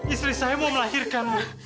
istri saya mau melahirkanmu